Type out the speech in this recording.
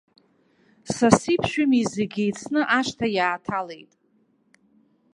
Саси ԥшәымеи зегь еицны ашҭа иааҭалеит.